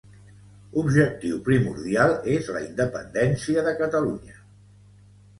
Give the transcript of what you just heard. Objectiu primordial és la independència de Catalunya